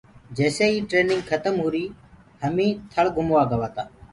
جيسي هيِ ٽرينگ کتم هُري تو همي ٿݪ گھموآ گوآتا۔